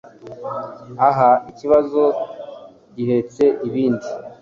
aha ikibazo gihetse ibindi